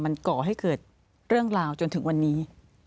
มันก่อให้เกิดเรื่องราวจนถึงวันนี้